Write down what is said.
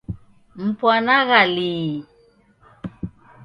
Mpwanagha lii?